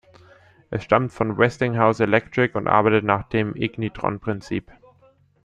Es stammt von Westinghouse Electric und arbeitet nach dem Ignitron-Prinzip.